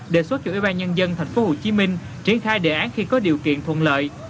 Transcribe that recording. đề xuất cho ủy ban nhân dân tp hcm triển khai đề án khi có điều kiện thuận lợi